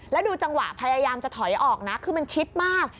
แล้วดูจังหวะพยายามจะถอยออกนะคือมันชิดมาก